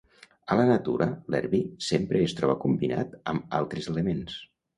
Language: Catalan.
A la natura, l'erbi sempre es troba combinat amb altres elements.